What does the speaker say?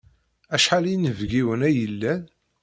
Acḥal n yinebgiwen ay yellan?